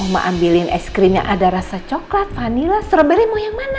oma ambilin es krim yang ada rasa coklat vanila strawberry mau yang mana